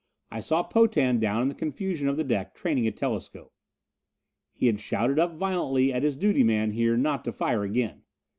I saw Potan down in the confusion of the deck, training a telescope. He had shouted up violently at his duty man here not to fire again.